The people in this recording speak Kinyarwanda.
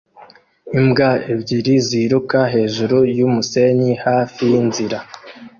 imbwa ebyiri ziruka hejuru yumusenyi hafi yinzira